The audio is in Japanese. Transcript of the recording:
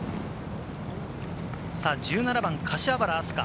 １７番、柏原明日架。